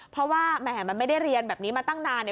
เพราะว่าแหมมันไม่ได้เรียนแบบนี้มาตั้งนาน